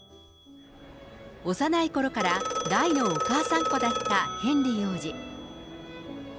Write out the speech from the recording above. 幼いころから大のお母さん子だったヘンリー王子。